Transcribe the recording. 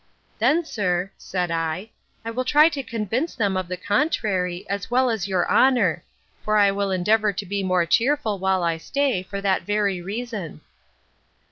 Then, sir, said I, I will try to convince them of the contrary, as well as your honour; for I will endeavour to be more cheerful while I stay, for that very reason.